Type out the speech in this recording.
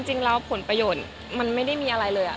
ผลประโยชน์มันไม่ได้มีอะไรเลย